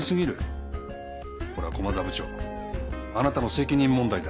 これは駒沢部長あなたの責任問題だ。